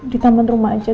di taman rumah aja